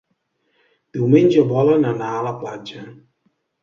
Diumenge volen anar a la platja.